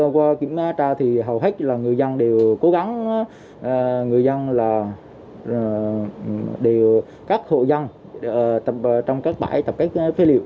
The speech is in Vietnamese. qua kiểm tra thì hầu hết là người dân đều cố gắng người dân là đều các hộ dân tập trong các bãi tập kết phế liệu